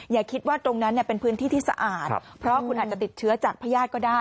อย่าคิดว่าตรงนั้นเป็นพื้นที่ที่สะอาดเพราะคุณอาจจะติดเชื้อจากพญาติก็ได้